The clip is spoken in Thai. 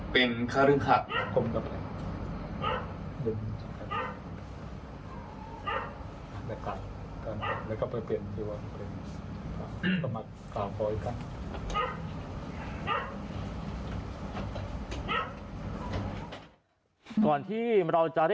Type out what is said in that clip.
เป็นข้าเริ่งหัก